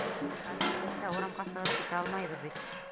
Камил, беҙ ҙә урамға сығып китә алмайбыҙ бит.